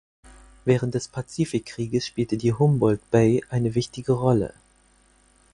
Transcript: Während des Pazifikkrieges spielte die Humboldt Bay eine wichtige Rolle.